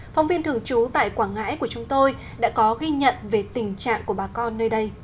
phóng viên thường trú tại quảng ngãi của chúng tôi đã có ghi nhận về tình trạng của bà con nơi đây